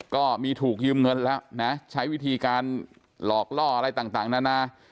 ก็มีถูกยืมเงินแล้วนะใช้วิธีการหลอกล่ออะไรต่างนานา